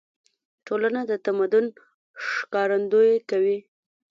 ټولنه د تمدن ښکارندويي کوي.